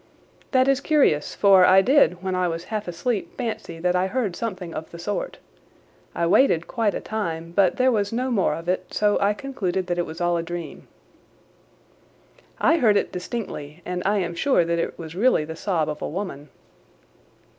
"That is curious, for I did when I was half asleep fancy that I heard something of the sort. I waited quite a time, but there was no more of it, so I concluded that it was all a dream." "I heard it distinctly, and I am sure that it was really the sob of a woman."